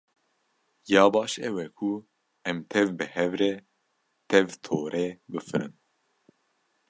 Ya baş ew e ku em tev bi hev re tev torê bifirin.